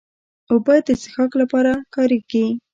اوبه د څښاک لپاره کارېږي.